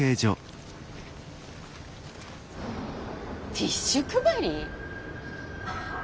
ティッシュ配り？